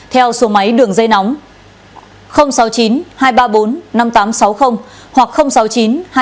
theo số máy đường dây nóng sáu mươi chín hai trăm ba mươi bốn năm nghìn tám trăm sáu mươi hoặc sáu mươi chín hai trăm ba mươi hai một nghìn sáu trăm sáu mươi bảy